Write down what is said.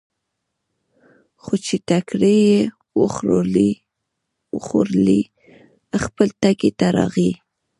خو چې ټکرې یې وخوړلې، خپل ټکي ته راغی.